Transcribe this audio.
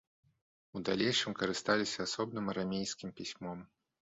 У далейшым карысталіся асобным арамейскім пісьмом.